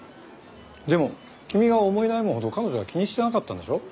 でも君が思い悩むほど彼女は気にしてなかったんでしょ？